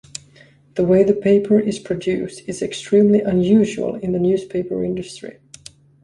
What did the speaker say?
The way the paper is produced is extremely unusual in the newspaper industry.